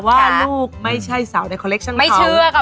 ว่าลูกไม่ใช่สาวในคน์แอนน้ำเข่า